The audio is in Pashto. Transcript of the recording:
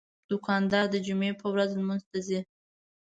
دوکاندار د جمعې ورځ لمونځ ته ځي.